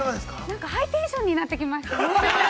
◆なんかハイテンションになってきましたね。